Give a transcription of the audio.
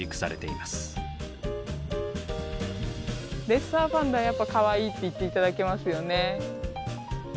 レッサーパンダやっぱ「かわいい」って言って頂けますよね。